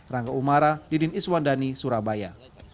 rangga umara didin iswandani surabaya